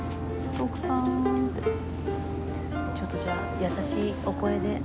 徳さんってちょっとじゃあ優しいお声で。